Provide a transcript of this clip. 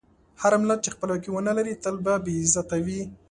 هر ملت چې خپلواکي ونه لري، تل به بې عزته وي.